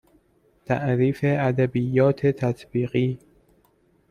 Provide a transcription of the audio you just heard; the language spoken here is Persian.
تعریف ادبیات تطبیقی